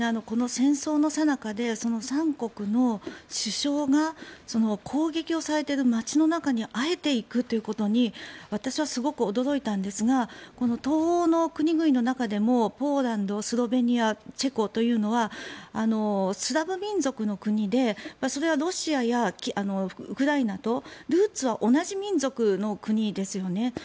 この戦争のさなかで３国の首相が攻撃をされている街の中にあえて行くということに私はすごく驚いたんですが東欧の国々の中でもポーランド、スロベニア、チェコというのはスラブ民族の国でそれはロシアやウクライナとルーツは同じ民族の国ですよね。